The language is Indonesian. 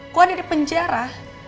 aku ada di penjara